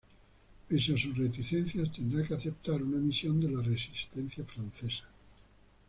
Pese a sus reticencias, tendrá que aceptar una misión de la resistencia francesa.